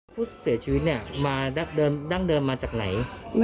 ผู้เสียชีวิตเนี่ยมาดั้งเดิมมาจากไหน